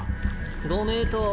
ご名答。